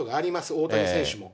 大谷選手も。